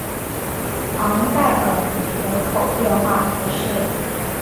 昂代尔尼人口变化图示